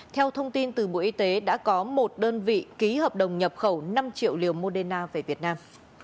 theo thông tin từ bộ y tế đã có một đơn vị ký hợp đồng nhập khẩu năm triệu liều moderna về việt nam